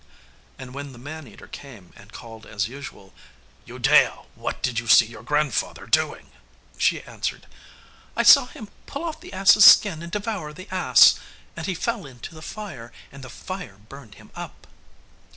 And when the man eater came, and called as usual, 'Udea, what did you see your grandfather doing?' she answered, 'I saw him pull off the ass' skin and devour the ass, and he fell in the fire, and the fire burned him up.